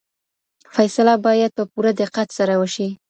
فیصله باید په پوره دقت سره وشي.